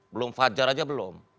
belum fajar aja belum